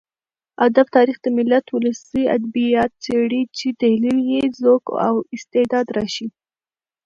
ادب تاريخ د ملت ولسي ادبيات څېړي چې تحليل يې ذوق او استعداد راښيي.